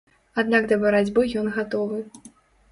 Аднак да барацьбы ён гатовы.